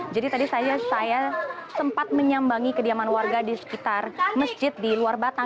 jadi tadi saya sempat menyambangi kediaman warga di sekitar masjid di luar batan